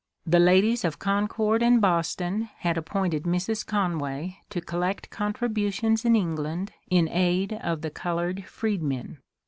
The ladies of Concord and Boston had appointed Mrs. Conway to collect contributions in England in aid of the coloured freedmen.